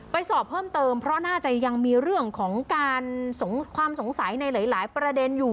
สอบเพิ่มเติมเพราะน่าจะยังมีเรื่องของการความสงสัยในหลายประเด็นอยู่